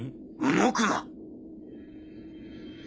動くな！